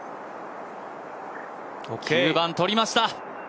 ９番とりました！